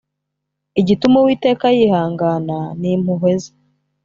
igituma uwiteka yihangana nimpuhwe ze